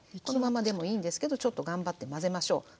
このままでもいいんですけどちょっと頑張って混ぜましょう。